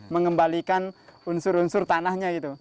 mengembalikan unsur unsur tanahnya gitu